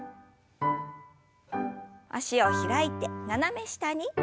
脚を開いて斜め下に。